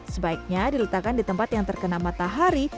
sebaiknya diletakkan di tempat yang terkena matahari